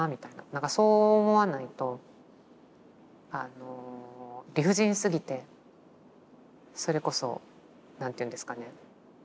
なんかそう思わないとあの理不尽すぎてそれこそ何て言うんですかね